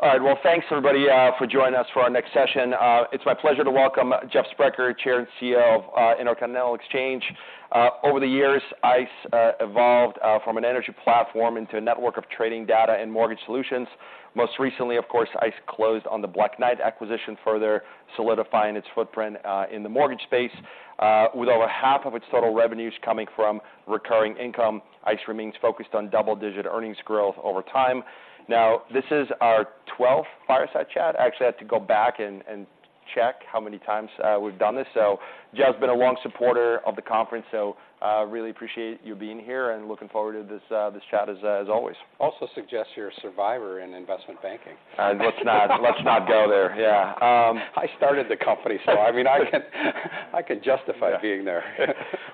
All right. Well, thanks everybody for joining us for our next session. It's my pleasure to welcome Jeff Sprecher, Chair and CEO of Intercontinental Exchange. Over the years, ICE evolved from an energy platform into a network of trading data and mortgage solutions. Most recently, of course, ICE closed on the Black Knight acquisition, further solidifying its footprint in the mortgage space. With over half of its total revenues coming from recurring income, ICE remains focused on double-digit earnings growth over time. Now, this is our twelfth Fireside Chat. I actually had to go back and check how many times we've done this. So Jeff's been a long supporter of the conference, so really appreciate you being here, and looking forward to this chat, as always. Also suggests you're a survivor in investment banking. Let's not, let's not go there. Yeah. I started the company, so I mean, I can justify- Yeah -being there.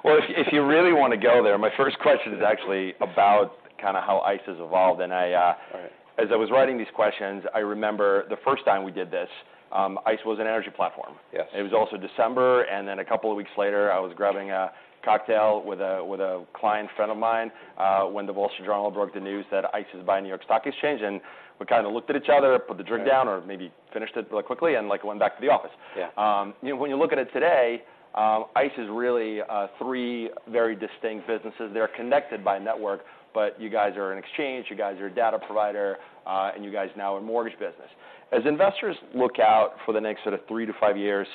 Well, if you, if you really want to go there, my first question is actually about kind of how ICE has evolved. And I- Right... as I was writing these questions, I remember the first time we did this, ICE was an energy platform. Yes. It was also December, and then a couple of weeks later, I was grabbing a cocktail with a, with a client friend of mine, when The Wall Street Journal broke the news that ICE is buying New York Stock Exchange. And we kind of looked at each other, put the drink down- Yeah or maybe finished it really quickly, and, like, went back to the office. Yeah. You know, when you look at it today, ICE is really three very distinct businesses. They're connected by network, but you guys are an exchange, you guys are a data provider, and you guys are now a mortgage business. As investors look out for the next sort of 3-5 years,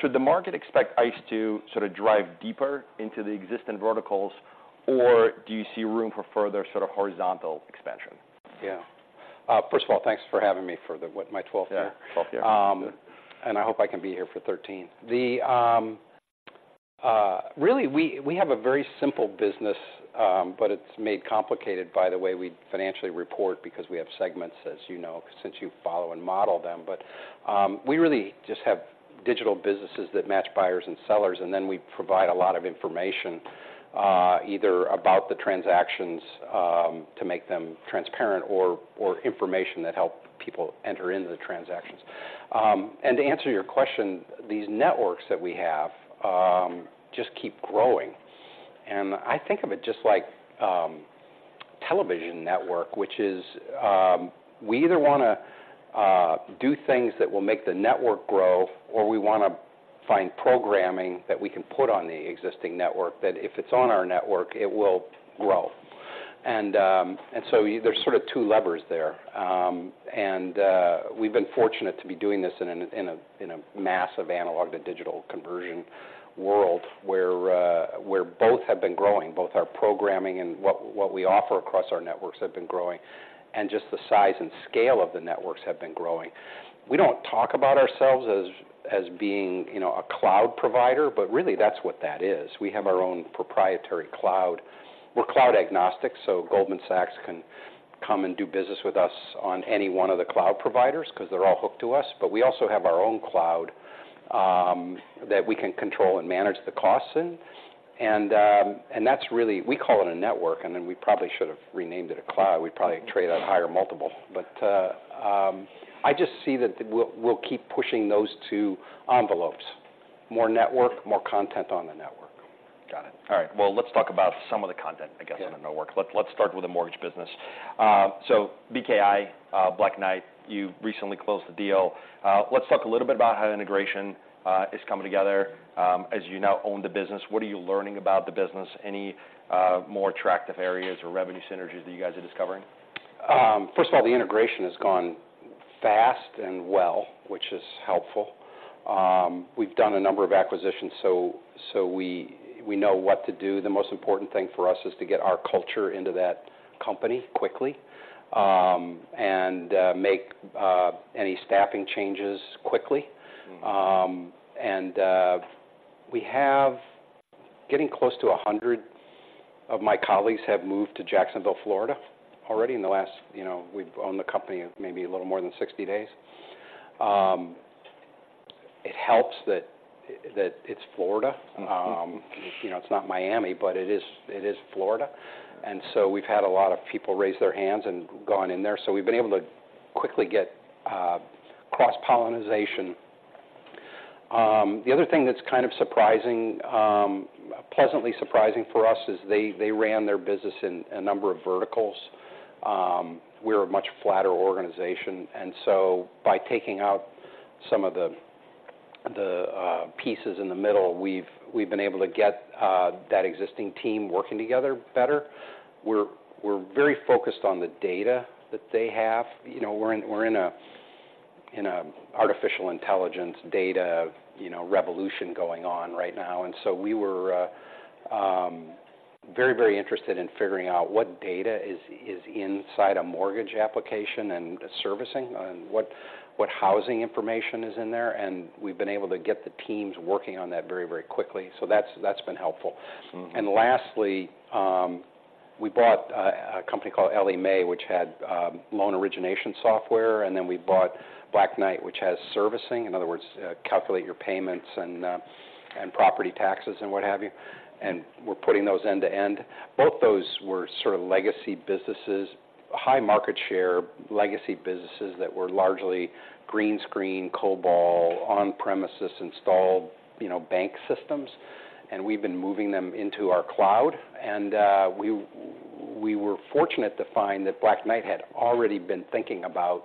should the market expect ICE to sort of drive deeper into the existing verticals, or do you see room for further sort of horizontal expansion? Yeah. First of all, thanks for having me for the, what, my twelfth year? Yeah. 12th year. And I hope I can be here for 13. Really, we have a very simple business, but it's made complicated by the way we financially report because we have segments, as you know, since you follow and model them. But we really just have digital businesses that match buyers and sellers, and then we provide a lot of information, either about the transactions, to make them transparent or information that help people enter into the transactions. And to answer your question, these networks that we have just keep growing. And I think of it just like television network, which is, we either wanna do things that will make the network grow, or we wanna find programming that we can put on the existing network, that if it's on our network, it will grow. And so there's sort of two levers there. We've been fortunate to be doing this in a massive analog-to-digital conversion world, where both have been growing, both our programming and what we offer across our networks have been growing, and just the size and scale of the networks have been growing. We don't talk about ourselves as being, you know, a cloud provider, but really that's what that is. We have our own proprietary cloud. We're cloud agnostic, so Goldman Sachs can come and do business with us on any one of the cloud providers, 'cause they're all hooked to us, but we also have our own cloud that we can control and manage the costs in. That's really, we call it a network, and then we probably should have renamed it a cloud. We'd probably trade at a higher multiple. But, I just see that we'll keep pushing those two envelopes: more network, more content on the network. Got it. All right. Well, let's talk about some of the content, I guess. Yeah... on the network. Let's, let's start with the mortgage business. So BKI, Black Knight, you recently closed the deal. Let's talk a little bit about how the integration is coming together. As you now own the business, what are you learning about the business? Any more attractive areas or revenue synergies that you guys are discovering? First of all, the integration has gone fast and well, which is helpful. We've done a number of acquisitions, so we know what to do. The most important thing for us is to get our culture into that company quickly, and make any staffing changes quickly. Getting close to 100 of my colleagues have moved to Jacksonville, Florida, already in the last... You know, we've owned the company maybe a little more than 60 days. It helps that it's Florida. You know, it's not Miami, but it is, it is Florida. And so we've had a lot of people raise their hands and gone in there, so we've been able to quickly get cross-pollination. The other thing that's kind of surprising, pleasantly surprising for us, is they, they ran their business in a number of verticals. We're a much flatter organization, and so by taking out some of the, the pieces in the middle, we've, we've been able to get that existing team working together better. We're, we're very focused on the data that they have. You know, we're in a artificial intelligence data, you know, revolution going on right now, and so we were very, very interested in figuring out what data is inside a mortgage application and servicing, and what housing information is in there, and we've been able to get the teams working on that very, very quickly. So that's been helpful. Lastly, we bought a company called Ellie Mae, which had loan origination software, and then we bought Black Knight, which has servicing, in other words, calculate your payments and property taxes and what have you, and we're putting those end-to-end. Both those were sort of legacy businesses, high market share, legacy businesses that were largely green screen, COBOL, on-premises, installed, you know, bank systems... and we've been moving them into our cloud. We were fortunate to find that Black Knight had already been thinking about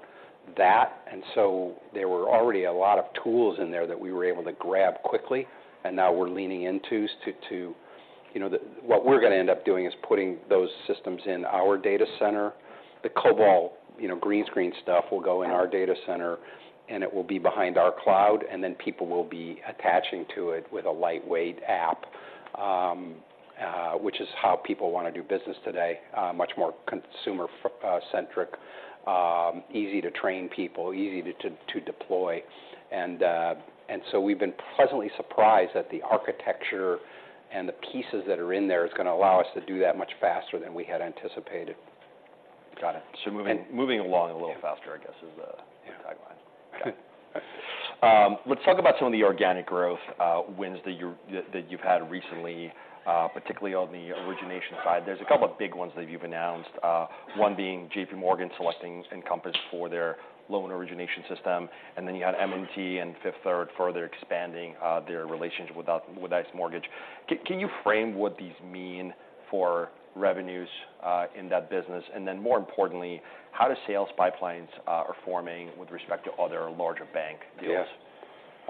that, and so there were already a lot of tools in there that we were able to grab quickly, and now we're leaning into to, to-- You know, what we're going to end up doing is putting those systems in our data center. The COBOL, you know, green screen stuff will go in our data center, and it will be behind our cloud, and then people will be attaching to it with a lightweight app. Which is how people want to do business today, much more consumer-centric, easy to train people, easy to deploy. So we've been pleasantly surprised that the architecture and the pieces that are in there is going to allow us to do that much faster than we had anticipated. Got it. And- So moving along a little faster- Yeah... I guess, is the- Yeah Got it. Let's talk about some of the organic growth wins that you've had recently, particularly on the origination side. There's a couple of big ones that you've announced, one being JPMorgan selecting Encompass for their loan origination system, and then you had M&T and Fifth Third further expanding their relationship with ICE Mortgage. Can you frame what these mean for revenues in that business? And then more importantly, how does sales pipelines are forming with respect to other larger bank deals?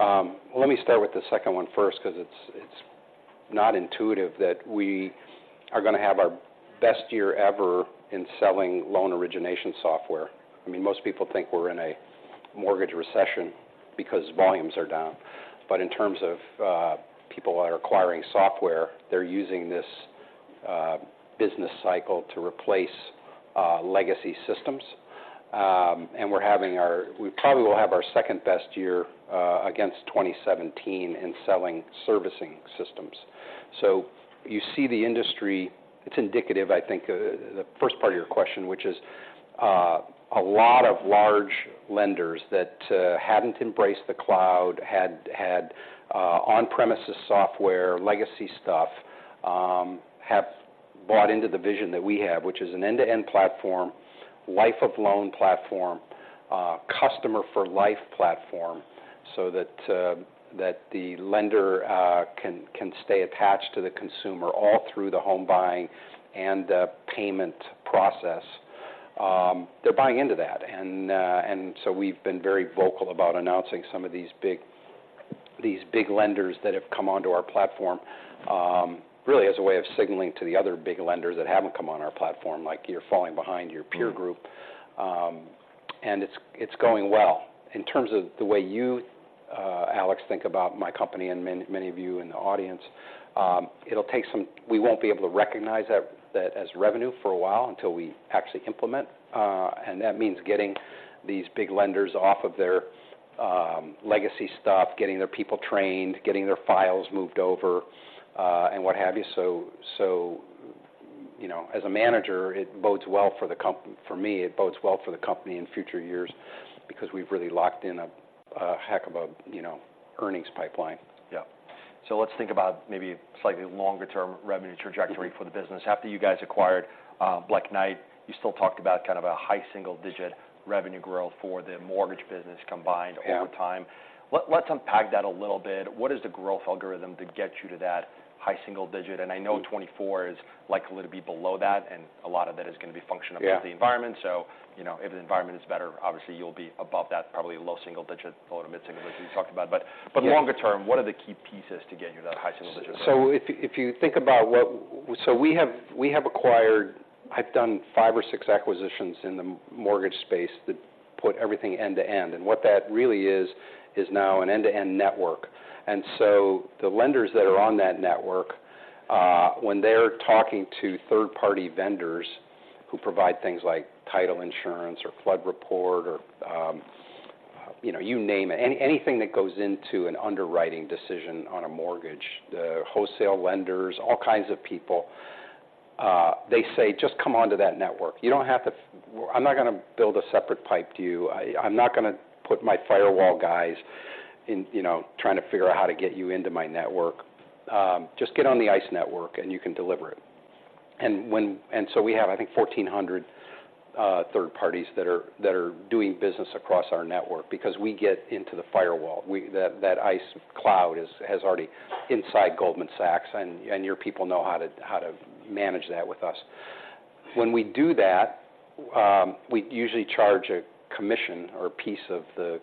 Yes. Let me start with the second one first, because it's not intuitive that we are going to have our best year ever in selling loan origination software. I mean, most people think we're in a mortgage recession because volumes are down. But in terms of people that are acquiring software, they're using this business cycle to replace legacy systems. And we're having our—we probably will have our second-best year against 2017 in selling servicing systems. So you see the industry... It's indicative, I think, the first part of your question, which is, a lot of large lenders that hadn't embraced the cloud, had had on-premises software, legacy stuff, have bought into the vision that we have, which is an end-to-end platform, life-of-loan platform, customer-for-life platform, so that the lender can stay attached to the consumer all through the home buying and payment process. They're buying into that. And so we've been very vocal about announcing some of these big lenders that have come onto our platform, really as a way of signaling to the other big lenders that haven't come on our platform, like, "You're falling behind your peer group. And it's, it's going well. In terms of the way you, Alex, think about my company and many, many of you in the audience, it'll take some-- we won't be able to recognize that, that as revenue for a while until we actually implement. And that means getting these big lenders off of their, legacy stuff, getting their people trained, getting their files moved over, and what have you. So, so, you know, as a manager, it bodes well for the comp- for me, it bodes well for the company in future years because we've really locked in a, a heck of a, you know, earnings pipeline. Yeah. Let's think about maybe slightly longer-term revenue trajectory-... for the business. After you guys acquired Black Knight, you still talked about kind of a high single digit revenue growth for the mortgage business combined- Yeah... over time. Let's unpack that a little bit. What is the growth algorithm to get you to that high single digit? I know 2024 is likely to be below that, and a lot of that is going to be functional- Yeah... about the environment. So, you know, if the environment is better, obviously, you'll be above that, probably low single digit or mid-single digit you talked about. Yeah. But longer term, what are the key pieces to get you to that high single digit revenue? So we have acquired. I've done five or six acquisitions in the mortgage space that put everything end to end, and what that really is, is now an end-to-end network. And so the lenders that are on that network, when they're talking to third-party vendors who provide things like title insurance or flood report or, you know, you name it, anything that goes into an underwriting decision on a mortgage, the wholesale lenders, all kinds of people, they say, "Just come onto that network. You don't have to... Well, I'm not going to build a separate pipe to you. I'm not going to put my firewall guys in, you know, trying to figure out how to get you into my network. Just get on the ICE network, and you can deliver it." And when—and so we have, I think, 1,400 third parties that are doing business across our network because we get into the firewall. That ICE cloud has already inside Goldman Sachs, and your people know how to manage that with us. When we do that, we usually charge a commission or a piece of the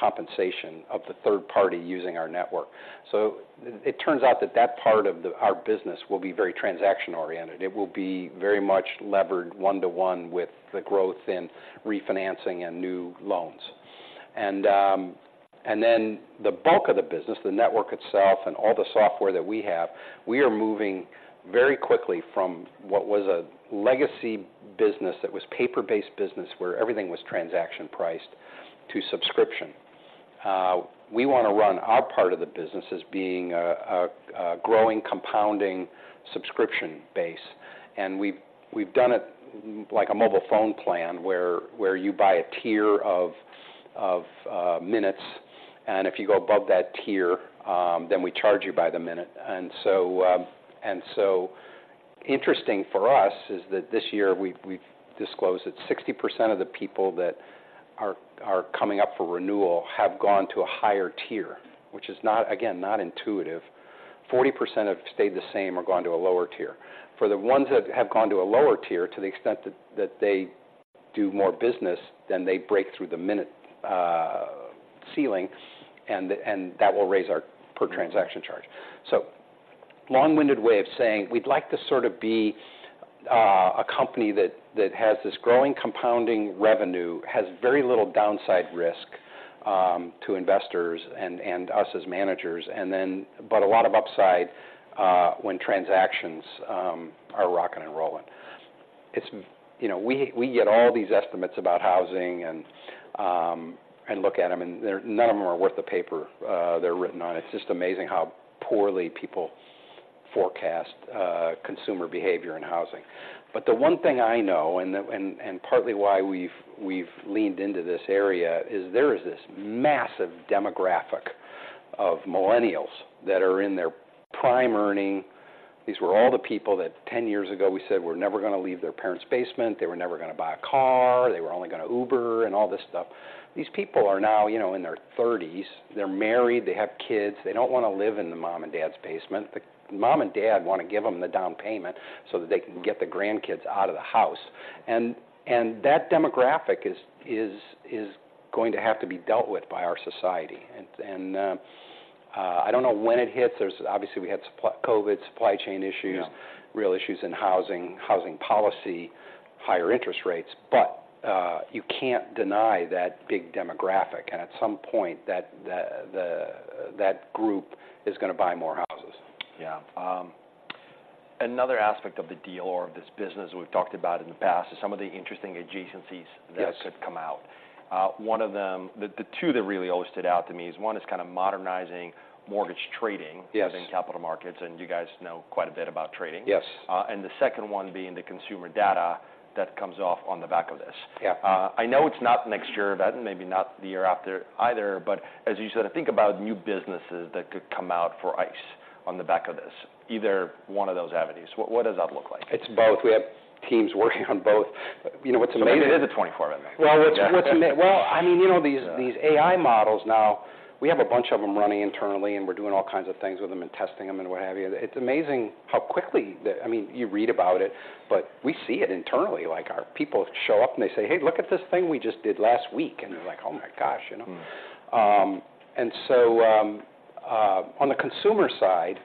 compensation of the third party using our network. So it turns out that that part of our business will be very transaction-oriented. It will be very much levered one-to-one with the growth in refinancing and new loans. And then the bulk of the business, the network itself and all the software that we have, we are moving very quickly from what was a legacy business that was paper-based business, where everything was transaction priced, to subscription. We want to run our part of the business as being a growing, compounding subscription base, and we've done it like a mobile phone plan, where you buy a tier of minutes, and if you go above that tier, then we charge you by the minute. And so interesting for us is that this year, we've disclosed that 60% of the people that are coming up for renewal have gone to a higher tier, which is not, again, not intuitive. 40% have stayed the same or gone to a lower tier. For the ones that have gone to a lower tier, to the extent that they do more business, then they break through the minute ceiling, and that will raise our per transaction charge. So long-winded way of saying we'd like to sort of be a company that has this growing compounding revenue, has very little downside risk to investors and us as managers, and then—but a lot of upside when transactions are rocking and rolling. It's—You know, we get all these estimates about housing and look at them, and they're—none of them are worth the paper they're written on. It's just amazing how poorly people forecast consumer behavior in housing. But the one thing I know, and partly why we've leaned into this area, is there is this massive demographic of millennials that are in their prime earning. These were all the people that 10 years ago we said were never gonna leave their parents' basement, they were never gonna buy a car, they were only gonna Uber, and all this stuff. These people are now, you know, in their 30s. They're married, they have kids. They don't wanna live in the mom and dad's basement. The mom and dad want to give them the down payment, so that they can get the grandkids out of the house. And I don't know when it hits. There's obviously we had COVID, supply chain issues- Yeah... real issues in housing, housing policy, higher interest rates, but you can't deny that big demographic, and at some point, that group is gonna buy more houses. Yeah. Another aspect of the deal or of this business we've talked about in the past is some of the interesting adjacencies- Yes... that could come out. One of them—the two that really always stood out to me is, one is kind of modernizing mortgage trading- Yes... living capital markets, and you guys know quite a bit about trading. Yes. The second one being the consumer data that comes off on the back of this. Yeah. I know it's not next year, that and maybe not the year after either, but as you said, think about new businesses that could come out for ICE on the back of this, either one of those avenues. What does that look like? It's both. We have teams working on both. You know what's amazing- It is a 2024, isn't it? Well, I mean, you know, these- Yeah... these AI models now, we have a bunch of them running internally, and we're doing all kinds of things with them and testing them and what have you. It's amazing how quickly the... I mean, you read about it, but we see it internally. Like, our people show up, and they say, "Hey, look at this thing we just did last week." And you're like, "Oh, my gosh!" You know? On the consumer side,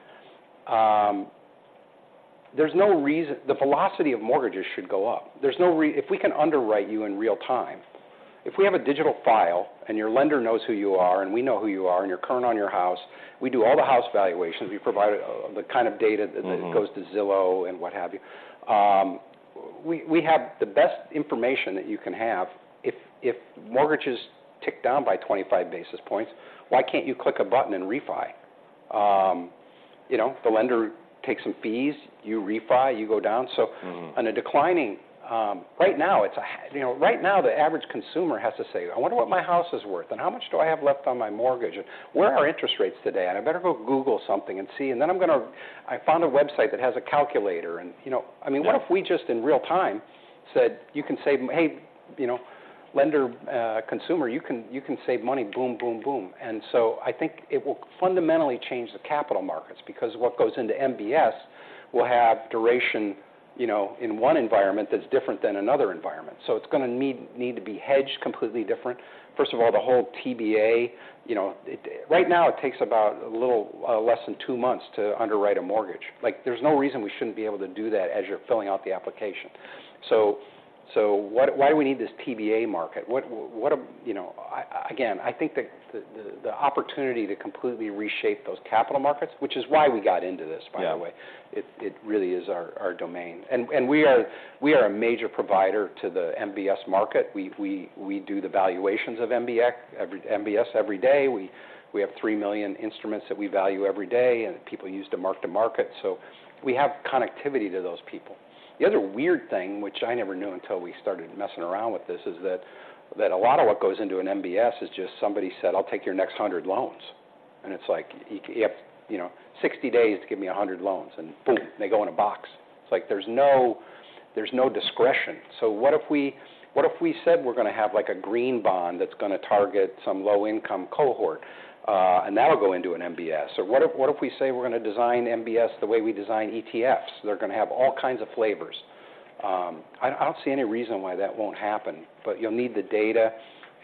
there's no reason the velocity of mortgages should go up. There's no if we can underwrite you in real time, if we have a digital file and your lender knows who you are, and we know who you are, and you're current on your house, we do all the house valuations. We provide the kind of data-... that goes to Zillow and what have you. We have the best information that you can have. If mortgages tick down by 25 basis points, why can't you click a button and refi? You know, the lender takes some fees, you refi, you go down. On a declining, right now, you know, right now, the average consumer has to say, "I wonder what my house is worth, and how much do I have left on my mortgage, and where are interest rates today? And I better go Google something and see. And then I found a website that has a calculator." And, you know- Yeah... I mean, what if we just, in real time, said, "You can save, hey, you know, lender, consumer, you can, you can save money," boom, boom, boom? And so I think it will fundamentally change the capital markets, because what goes into MBS will have duration, you know, in one environment that's different than another environment. So it's gonna need to be hedged completely different. First of all, the whole TBA, you know, it right now, it takes about a little less than two months to underwrite a mortgage. Like, there's no reason we shouldn't be able to do that as you're filling out the application. So what, why do we need this TBA market? What, you know... I again, I think the opportunity to completely reshape those capital markets, which is why we got into this, by the way- Yeah... it really is our domain. And we are a major provider to the MBS market. We do the valuations of MBS every day. We have 3 million instruments that we value every day, and people use to mark to market, so we have connectivity to those people. The other weird thing, which I never knew until we started messing around with this, is that a lot of what goes into an MBS is just somebody said, "I'll take your next 100 loans." And it's like, you have, you know, 60 days to give me 100 loans, and boom, they go in a box. It's like there's no discretion. So what if we, what if we said we're gonna have, like, a green bond that's gonna target some low-income cohort, and that'll go into an MBS? Or what if, what if we say we're gonna design MBS the way we design ETFs? They're gonna have all kinds of flavors. I don't see any reason why that won't happen, but you'll need the data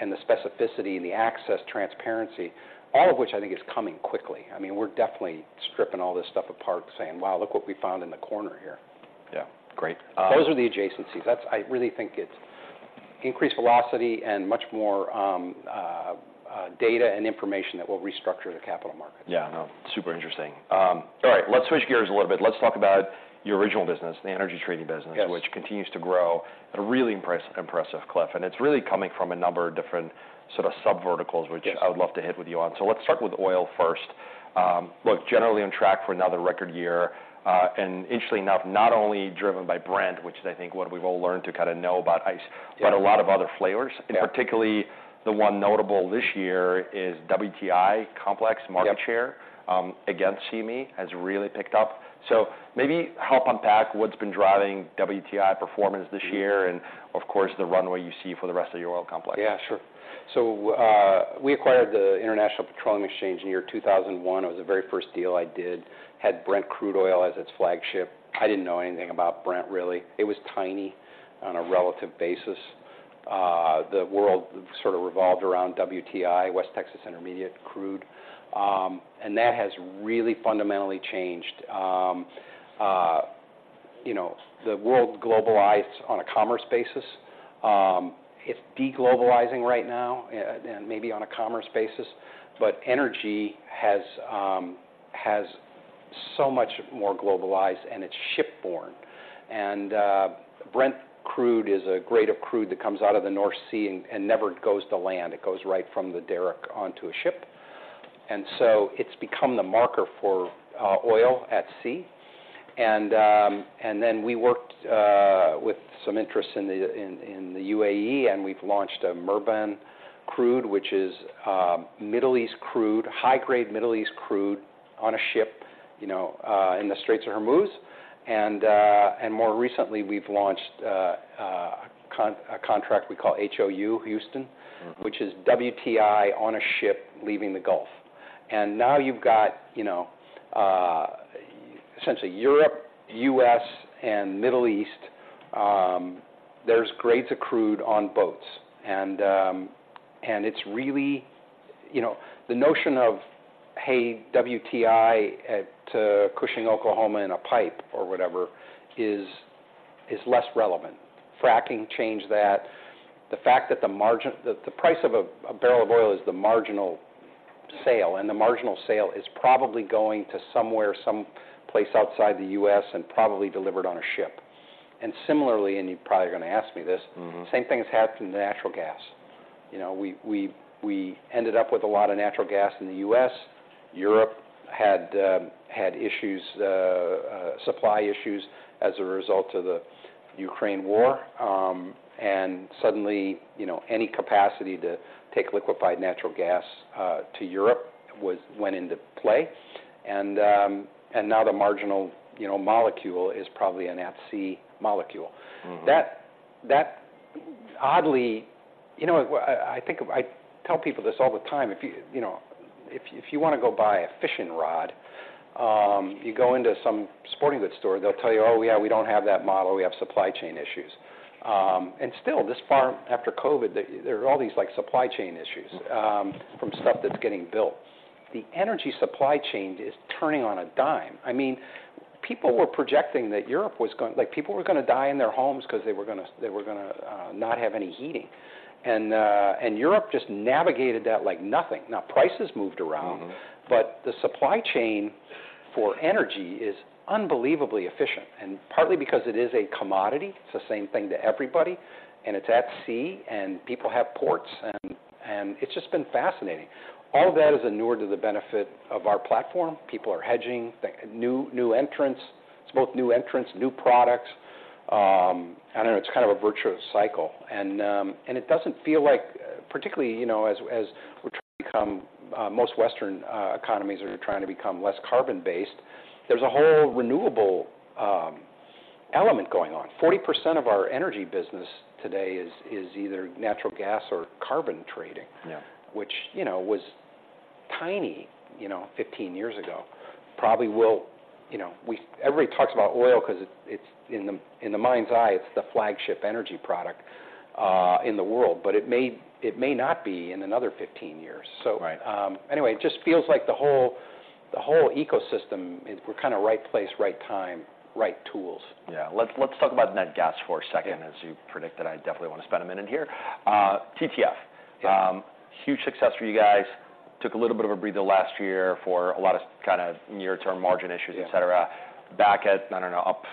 and the specificity and the access, transparency, all of which I think is coming quickly. I mean, we're definitely stripping all this stuff apart, saying, "Wow, look what we found in the corner here. Yeah. Great, Those are the adjacencies. That's. I really think it's increased velocity and much more data and information that will restructure the capital markets. Yeah, no, super interesting. All right, let's switch gears a little bit. Let's talk about your original business, the energy trading business- Yes... which continues to grow at a really impressive clip, and it's really coming from a number of different sort of subverticals- Yes... which I would love to hit with you on. Sure. So let's start with oil first... look, generally on track for another record year. And interestingly enough, not only driven by Brent, which is, I think, what we've all learned to kind of know about ICE- Yeah. but a lot of other flavors. Yeah. Particularly, the one notable this year is WTI complex market share. Yep... against CME, has really picked up. So maybe help unpack what's been driving WTI performance this year, and of course, the runway you see for the rest of your oil complex. Yeah, sure. So, we acquired the International Petroleum Exchange in the year 2001. It was the very first deal I did. Had Brent Crude Oil as its flagship. I didn't know anything about Brent, really. It was tiny on a relative basis. The world sort of revolved around WTI, West Texas Intermediate crude, and that has really fundamentally changed. You know, the world globalized on a commerce basis. It's de-globalizing right now, and maybe on a commerce basis, but energy has, has so much more globalized, and it's shipborne. And, Brent Crude is a grade of crude that comes out of the North Sea and, and never goes to land. It goes right from the derrick onto a ship, and so it's become the marker for, oil at sea. Then we worked with some interests in the UAE, and we've launched a Murban Crude, which is Middle East crude, high-grade Middle East crude on a ship, you know, in the Straits of Hormuz. And more recently, we've launched a contract we call HOU, Houston-... which is WTI on a ship leaving the Gulf. And now you've got, you know, essentially Europe, U.S., and Middle East, there's grades of crude on boats. And, and it's really... You know, the notion of, "Hey, WTI at, Cushing, Oklahoma, in a pipe," or whatever, is, is less relevant. Fracking changed that. The fact that the margin, that the price of a, barrel of oil is the marginal sale, and the marginal sale is probably going to somewhere, some place outside the U.S., and probably delivered on a ship. And similarly, and you're probably gonna ask me this-... the same thing has happened to natural gas. You know, we ended up with a lot of natural gas in the U.S. Europe had issues, supply issues as a result of the Ukraine war. And suddenly, you know, any capacity to take liquefied natural gas to Europe went into play. And now the marginal, you know, molecule is probably an at-sea molecule. That oddly... You know, I think, I tell people this all the time, if you know, if you want to go buy a fishing rod, you go into some sporting goods store, they'll tell you, "Oh, yeah, we don't have that model. We have supply chain issues." And still, this far after COVID, there are all these, like, supply chain issues, from stuff that's getting built. The energy supply chain is turning on a dime. I mean, people were projecting that Europe was going—like, people were gonna die in their homes because they were gonna not have any heating. And Europe just navigated that like nothing. Now, prices moved around-... but the supply chain for energy is unbelievably efficient, and partly because it is a commodity, it's the same thing to everybody, and it's at sea, and people have ports. And it's just been fascinating. All of that is inured to the benefit of our platform. People are hedging. The new entrants, it's both new entrants, new products. I don't know, it's kind of a virtuous cycle. And it doesn't feel like, particularly, you know, as we're trying to become, most Western economies are trying to become less carbon-based, there's a whole renewable element going on. 40% of our energy business today is either natural gas or carbon trading- Yeah... which, you know, was tiny, you know, 15 years ago. Probably will. You know, we—everybody talks about oil because it's in the mind's eye, it's the flagship energy product in the world, but it may not be in another 15 years. So- Right. Anyway, it just feels like the whole, the whole ecosystem, we're kind of right place, right time, right tools. Yeah. Let's talk about nat gas for a second. Yeah. As you predicted, I definitely want to spend a minute here. TTF- Yeah... huge success for you guys. Took a little bit of a breather last year for a lot of kind of near-term margin issues, et cetera. Yeah. Back at, I don't know, up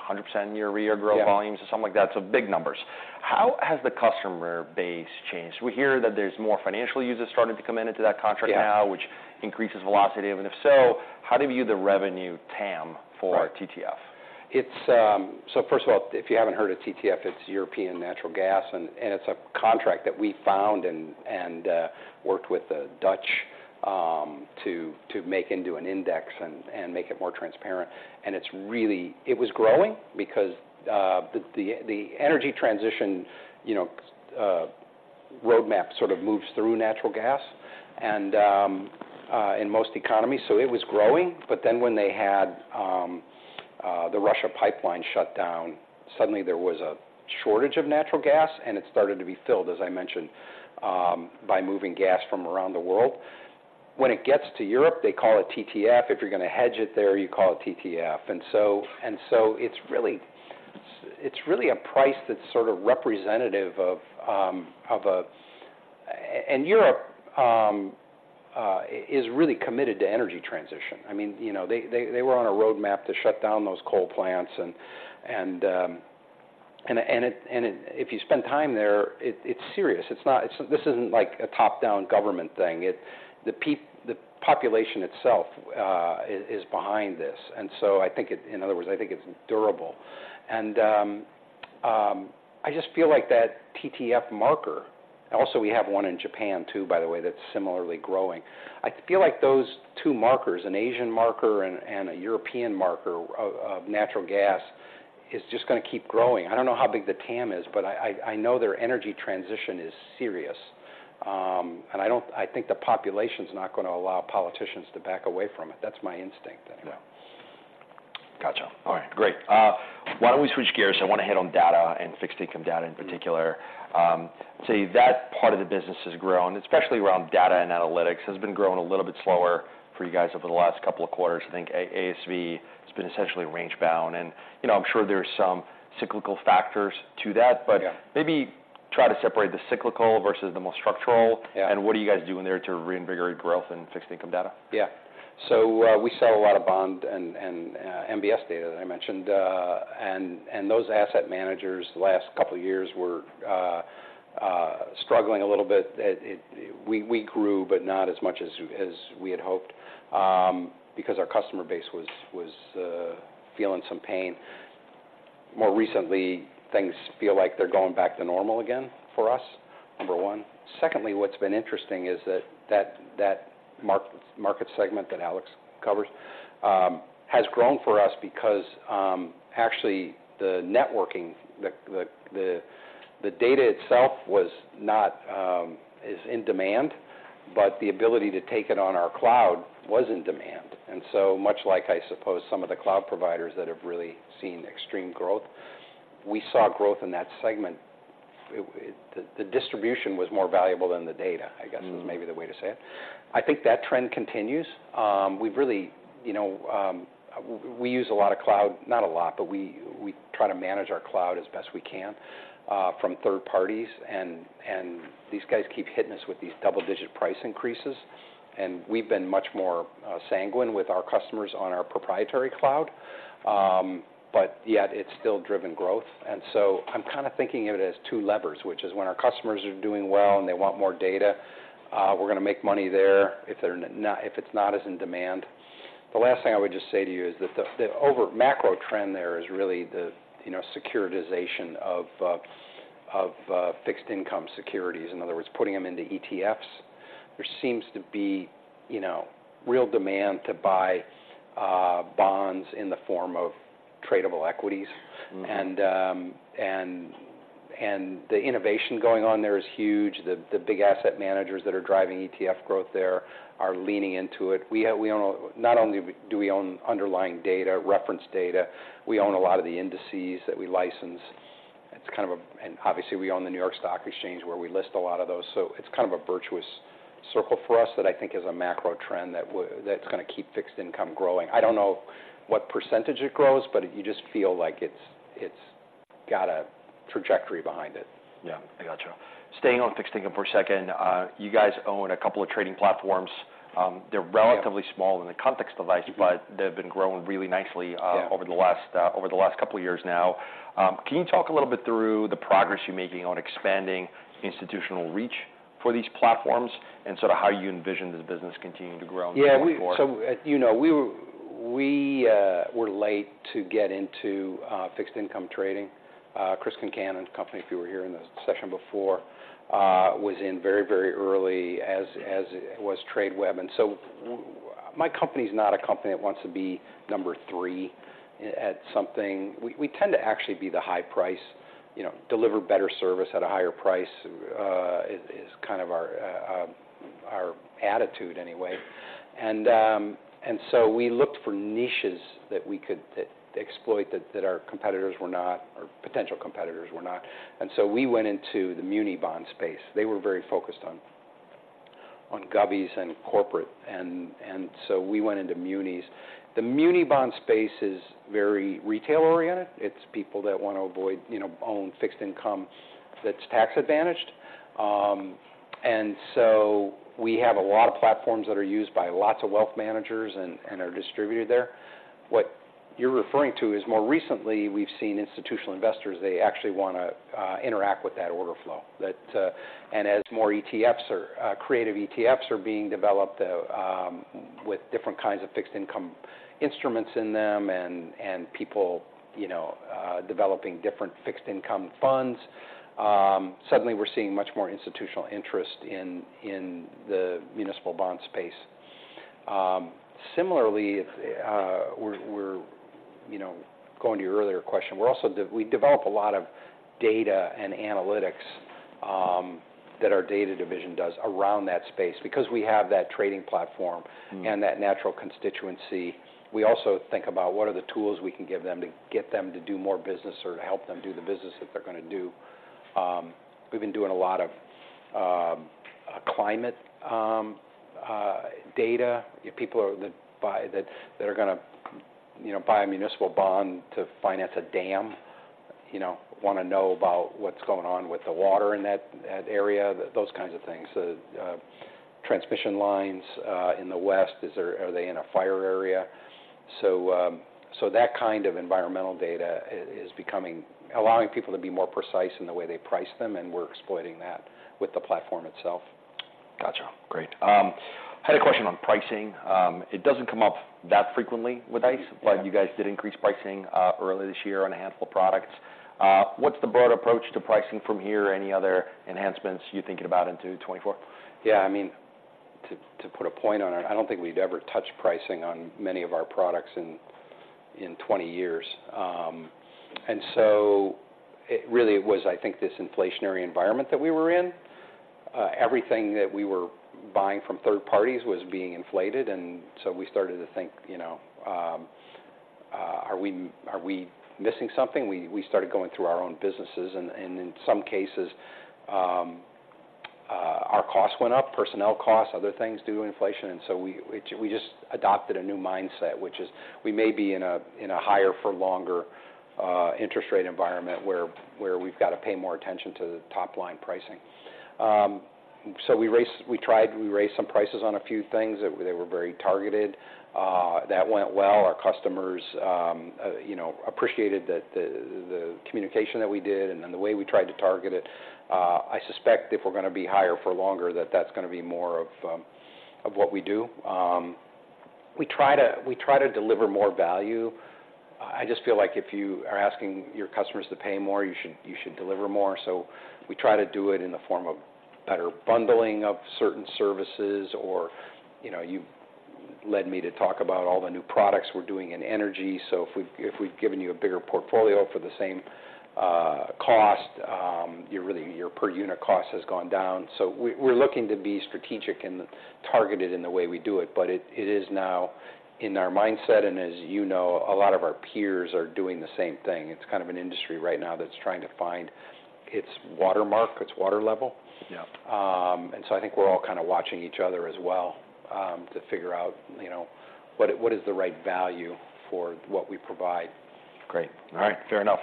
100% year-over-year growth- Yeah... volumes or something like that, so big numbers. How has the customer base changed? We hear that there's more financial users starting to come into that contract now- Yeah... which increases velocity. If so, how do you view the revenue TAM for TTF? Right. It's... So first of all, if you haven't heard of TTF, it's European natural gas, and it's a contract that we found and worked with the Dutch to make into an index and make it more transparent. And it's really- it was growing because the energy transition, you know, roadmap sort of moves through natural gas, and in most economies, so it was growing. But then, when they had the Russia pipeline shut down, suddenly there was a shortage of natural gas, and it started to be filled, as I mentioned, by moving gas from around the world. When it gets to Europe, they call it TTF. If you're gonna hedge it there, you call it TTF. And so it's really a price that's sort of representative of Asia and Europe is really committed to energy transition. I mean, you know, they were on a roadmap to shut down those coal plants and if you spend time there, it's serious. It's not like a top-down government thing. This isn't like a top-down government thing. The population itself is behind this. And so I think it. In other words, I think it's durable. And I just feel like that TTF marker. Also, we have one in Japan, too, by the way, that's similarly growing. I feel like those two markers, an Asian marker and a European marker of natural gas, is just gonna keep growing. I don't know how big the TAM is, but I know their energy transition is serious. And I don't think the population's not gonna allow politicians to back away from it. That's my instinct anyway. Yeah. Gotcha. All right, great. Why don't we switch gears? I want to hit on data and fixed-income data in particular. So that part of the business has grown, especially around data and analytics, has been growing a little bit slower for you guys over the last couple of quarters. I think ASV has been essentially range-bound, and, you know, I'm sure there are some cyclical factors to that. Yeah. But maybe try to separate the cyclical versus the more structural- Yeah... What are you guys doing there to reinvigorate growth in fixed-income data? Yeah. So, we sell a lot of bond and MBS data that I mentioned. And those asset managers the last couple of years were struggling a little bit. We grew, but not as much as we had hoped, because our customer base was feeling some pain. More recently, things feel like they're going back to normal again for us, number one. Secondly, what's been interesting is that market segment that Alex covers has grown for us because actually the networking, the data itself is in demand, but the ability to take it on our cloud was in demand. And so much like, I suppose, some of the cloud providers that have really seen extreme growth, we saw growth in that segment. The distribution was more valuable than the data.... I guess, is maybe the way to say it. I think that trend continues. We've really, you know, we use a lot of cloud, not a lot, but we try to manage our cloud as best we can from third parties, and these guys keep hitting us with these double-digit price increases, and we've been much more sanguine with our customers on our proprietary cloud. But yet it's still driven growth. And so I'm kind of thinking of it as two levers, which is when our customers are doing well, and they want more data, we're gonna make money there. If they're not, if it's not as in demand... The last thing I would just say to you is that the over macro trend there is really the, you know, securitization of fixed-income securities. In other words, putting them into ETFs. There seems to be, you know, real demand to buy bonds in the form of tradable equities. The innovation going on there is huge. The big asset managers that are driving ETF growth there are leaning into it. We own—not only do we own underlying data, reference data, we own a lot of the indices that we license. It's kind of a... Obviously, we own the New York Stock Exchange, where we list a lot of those, so it's kind of a virtuous circle for us that I think is a macro trend that's gonna keep fixed income growing. I don't know what percentage it grows, but you just feel like it's got a trajectory behind it. Yeah, I gotcha. Staying on fixed income for a second, you guys own a couple of trading platforms. They're- Yeah... relatively small in the context of ICE, but-... they've been growing really nicely, Yeah... over the last couple of years now. Can you talk a little bit through the progress you're making on expanding institutional reach for these platforms and sort of how you envision this business continuing to grow going forward? Yeah, so, you know, we were late to get into fixed-income trading. Chris Concannon's company, if you were here in the session before, was in very, very early as was Tradeweb. So my company's not a company that wants to be number three at something. We tend to actually be the high price, you know, deliver better service at a higher price, is kind of our attitude anyway. Yeah. And so we looked for niches that we could exploit, that our competitors were not, or potential competitors were not. And so we went into the muni bond space. They were very focused on govies and corporate, and so we went into munis. The muni bond space is very retail-oriented. It's people that want to avoid, you know, own fixed income that's tax-advantaged. And so we have a lot of platforms that are used by lots of wealth managers and are distributed there. What you're referring to is, more recently, we've seen institutional investors, they actually wanna interact with that order flow. That... As more creative ETFs are being developed with different kinds of fixed income instruments in them and people, you know, developing different fixed income funds, suddenly we're seeing much more institutional interest in the municipal bond space. Similarly, you know, going to your earlier question, we develop a lot of data and analytics that our data division does around that space. Because we have that trading platform.... and that natural constituency, we also think about what are the tools we can give them to get them to do more business or to help them do the business that they're gonna do. We've been doing a lot of climate data. People that buy, that are gonna, you know, buy a municipal bond to finance a dam, you know, want to know about what's going on with the water in that area, those kinds of things. So, transmission lines in the west, are they in a fire area? So, that kind of environmental data is becoming allowing people to be more precise in the way they price them, and we're exploiting that with the platform itself. Gotcha. Great. I had a question on pricing. It doesn't come up that frequently with ICE- Yeah... but you guys did increase pricing earlier this year on a handful of products. What's the broad approach to pricing from here? Any other enhancements you're thinking about into 2024? Yeah, I mean, to put a point on it, I don't think we've ever touched pricing on many of our products in 20 years. And so it really was, I think, this inflationary environment that we were in. Everything that we were buying from third parties was being inflated, and so we started to think, you know, are we missing something? We started going through our own businesses, and in some cases, our costs went up, personnel costs, other things due to inflation, and so we just adopted a new mindset, which is, we may be in a higher-for-longer interest rate environment, where we've got to pay more attention to the top-line pricing. So we raised some prices on a few things. They were very targeted. That went well. Our customers, you know, appreciated that the, the communication that we did and then the way we tried to target it. I suspect if we're gonna be higher for longer, that that's gonna be more of, of what we do. We try to, we try to deliver more value. I just feel like if you are asking your customers to pay more, you should, you should deliver more. So we try to do it in the form of better bundling of certain services. Or, you know, you led me to talk about all the new products we're doing in energy, so if we've, if we've given you a bigger portfolio for the same, cost, you're really- your per unit cost has gone down. So we're looking to be strategic and targeted in the way we do it, but it is now in our mindset, and as you know, a lot of our peers are doing the same thing. It's kind of an industry right now that's trying to find its water mark, its water level. Yeah. And so I think we're all kind of watching each other as well, to figure out, you know, what, what is the right value for what we provide. Great. All right, fair enough.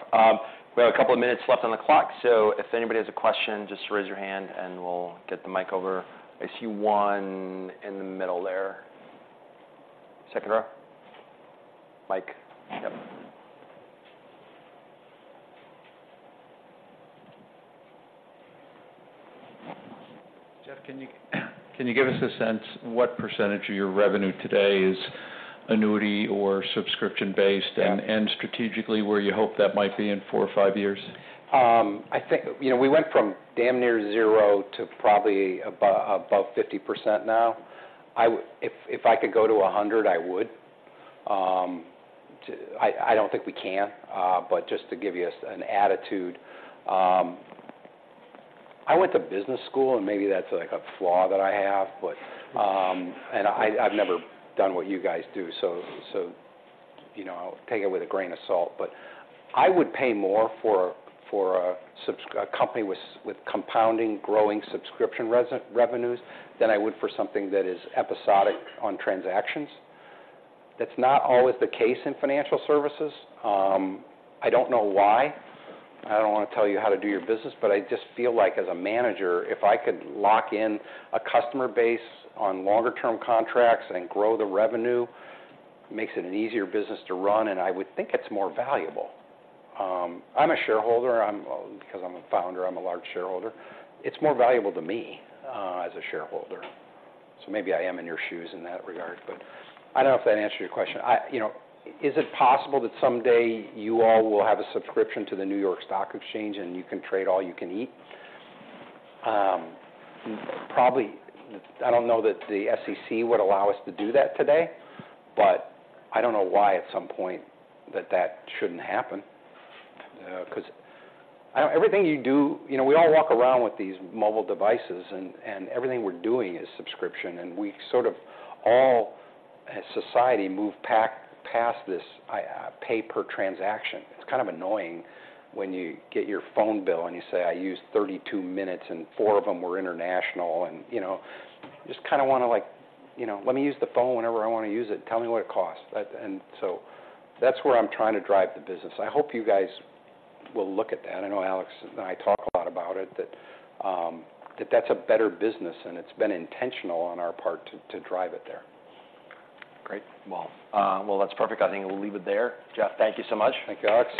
We have a couple of minutes left on the clock, so if anybody has a question, just raise your hand and we'll get the mic over. I see one in the middle there. Second row. Mic, yep. Jeff, can you give us a sense what percentage of your revenue today is annuity or subscription-based- Yeah... and strategically, where you hope that might be in four or five years? I think, you know, we went from damn near zero to probably above 50% now. If I could go to 100, I would. I don't think we can, but just to give you an attitude. I went to business school, and maybe that's, like, a flaw that I have, but... And I've never done what you guys do, so, you know, take it with a grain of salt. But I would pay more for a company with compounding, growing subscription revenues than I would for something that is episodic on transactions. That's not always the case in financial services. I don't know why. I don't want to tell you how to do your business, but I just feel like, as a manager, if I could lock in a customer base on longer-term contracts and grow the revenue, makes it an easier business to run, and I would think it's more valuable. I'm a shareholder. I'm, because I'm a founder, I'm a large shareholder. It's more valuable to me, as a shareholder, so maybe I am in your shoes in that regard. But I don't know if that answered your question. You know, is it possible that someday you all will have a subscription to the New York Stock Exchange, and you can trade all you can eat? Probably, I don't know that the SEC would allow us to do that today, but I don't know why, at some point, that that shouldn't happen. Because everything you do... You know, we all walk around with these mobile devices, and everything we're doing is subscription, and we sort of all, as society, move past this, pay per transaction. It's kind of annoying when you get your phone bill, and you say, "I used 32 minutes, and 4 of them were international." And, you know, just kind of wanna, like, you know, let me use the phone whenever I want to use it, and tell me what it costs. And so that's where I'm trying to drive the business. I hope you guys will look at that. I know Alex and I talk a lot about it, that that's a better business, and it's been intentional on our part to drive it there. Great. Well, well, that's perfect. I think we'll leave it there. Jeff, thank you so much. Thank you, Alex.